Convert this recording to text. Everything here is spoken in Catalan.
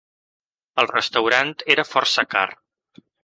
El restaurant era força car.